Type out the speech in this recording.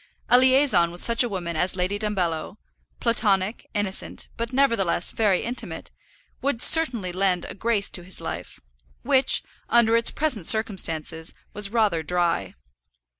A liaison with such a woman as Lady Dumbello, platonic, innocent, but nevertheless very intimate, would certainly lend a grace to his life, which, under its present circumstances, was rather dry.